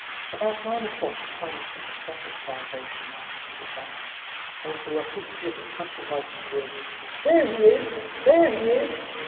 About nine o'clock a kind of sympathetic vibration ran through the crowd, and with the rapidity of a flash of lightning the words, "There he is! there he is!"